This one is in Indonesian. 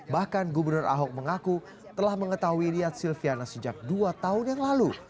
bahkan gubernur ahok mengaku telah mengetahui niat silviana sejak dua tahun yang lalu